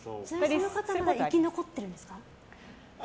その方は生き残っているんですか？